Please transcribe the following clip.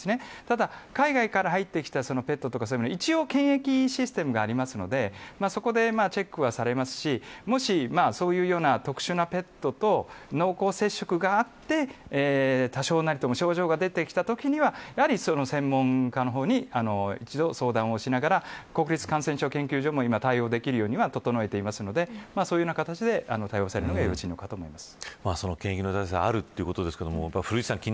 ただ海外から入ってきたペットとかそういうのは一応検疫システムはありますのでそのチェックはされますしもしそういうような特殊な例と濃厚接触があって多少なりとも症状が出てきたときにはやはり専門家の方に一度相談をしながら国立感染症研究所も対応できるようには整えていますのでそういうような形で対応されるのがよろしいかと思います。